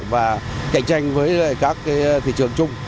và cạnh tranh với các thị trường chung